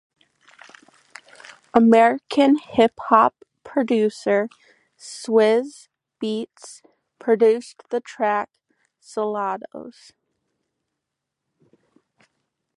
American hip-hop producer Swizz Beatz produced the track "Soldados".